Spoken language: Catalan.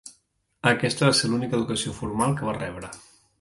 Aquesta va ser l'única educació formal que va rebre.